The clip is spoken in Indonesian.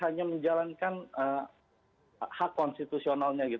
hanya menjalankan hak konstitusionalnya